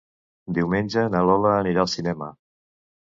Diumenge na Lola anirà al cinema.